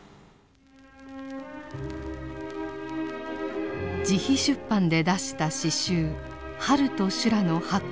自費出版で出した詩集「春と修羅」の発行部数は一千部。